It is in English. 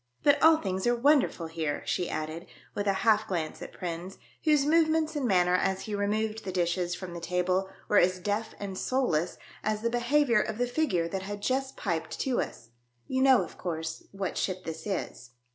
" But all things are wonderful here," she added, with a half glance at Prins, whose movements and manner as he removed the dishes from the table were as deaf and soulless as the behaviour of the figure that had just piped to us. "You know, of course, what ship this is